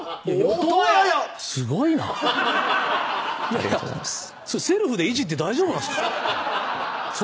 ありがとうございます。